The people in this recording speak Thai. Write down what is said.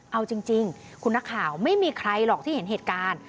เอาจริงคุณนักข่าวไม่มีใครหรอกที่เห็นเหตุการณ์